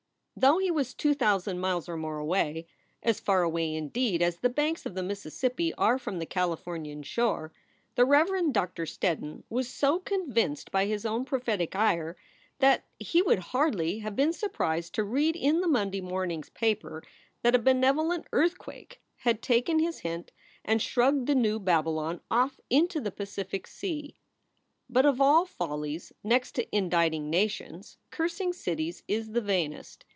Though he was two thousand miles or more away as far away, indeed, as the banks of the Mississippi are from the Californian shore the Reverend Doctor Steddon was so convinced by his own prophetic ire that he would hardly have been surprised to read in the Monday morning s paper that a benevolent earthquake had taken his hint and shrugged the new Babylon off into the Pacific sea. But of all follies, next to indicting nations, cursing cities is the vainest.